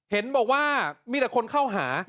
เห็นบอกว่ามีแต่คนเข้าหา